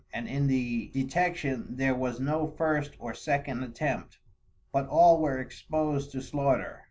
and in the detection there was no first or second Attempt, but all were exposed to slaughter.